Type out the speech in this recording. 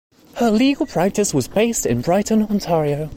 Her legal practice was based in Brighton, Ontario.